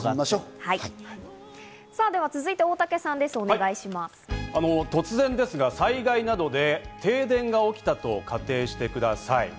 では続いて大竹さんです、突然ですが、災害などで停電が起きたと仮定してください。